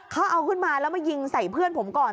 เขาเอาขึ้นมาแล้วมายิงใส่เพื่อนผมก่อน